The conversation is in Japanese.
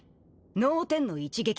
脳天の一撃